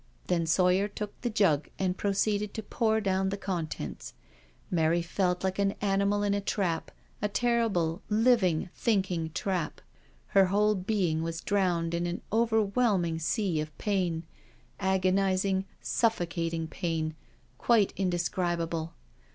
Then Sawyer took the jug and proceeded to pour, down the contents. Mary felt like an animal in a trap — ^a terrible, living, thinking, trap. Her whole being was drowned in an overwhelming sea of pain — agonising, suffocating pain, quite indescribable.